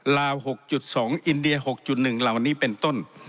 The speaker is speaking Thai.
ลาว๖๒อินเดีย๖๑เหล่านี้เป็นต้น